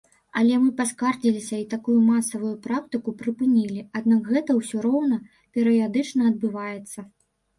Але мы паскардзіліся, і такую масавую практыку прыпынілі, аднак гэта ўсё роўна перыядычна адбываецца.